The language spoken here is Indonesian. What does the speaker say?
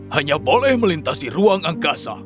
hanya boleh melintasi ruang angkasa